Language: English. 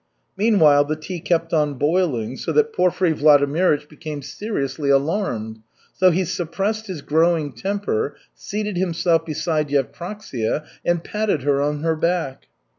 Meanwhile the tea kept on boiling, so that Porfiry Vladimirych became seriously alarmed. So he suppressed his growing temper, seated himself beside Yevpraksia and patted her on her back.